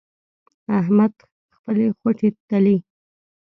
احمد خپلې خوټې تلي.